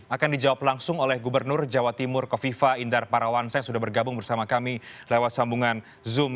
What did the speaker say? akan dijawab langsung oleh gubernur jawa timur kofifa indar parawansa yang sudah bergabung bersama kami lewat sambungan zoom